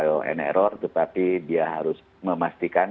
tidak ada error tetapi dia harus memastikan